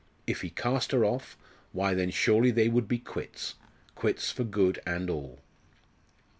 If he cast her off why then surely they would be quits, quits for good and all.